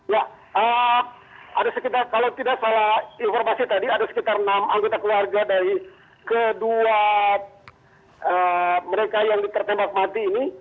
ya ada sekitar kalau tidak salah informasi tadi ada sekitar enam anggota keluarga dari kedua mereka yang tertembak mati ini